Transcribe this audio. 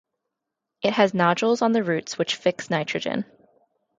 It has nodules on the roots which fix nitrogen.